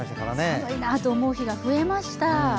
寒いなと思う日が増えました。